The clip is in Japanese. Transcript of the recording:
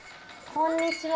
こんにちは。